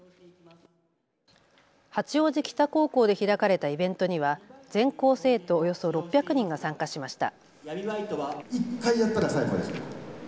八王子北高校で開かれたイベントには全校生徒およそ６００人が参加しました。